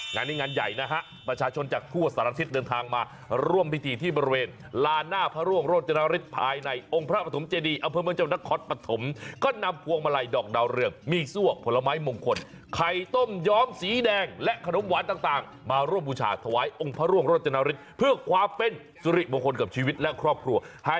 งานนี้งานใหญ่นะฮะประชาชนจากทั่วสารทิศเดินทางมาร่วมพิธีที่บริเวณลานหน้าพระร่วงโรจนฤทธิภายในองค์พระปฐมเจดีอำเภอเมืองเจ้านครปฐมก็นำพวงมาลัยดอกดาวเรืองมีซั่วผลไม้มงคลไข่ต้มย้อมสีแดงและขนมหวานต่างมาร่วมบูชาถวายองค์พระร่วงโรจนฤทธิ์เพื่อความเป็นสุริมงคลกับชีวิตและครอบครัว